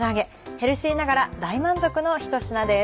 ヘルシーながら大満足のひと品です。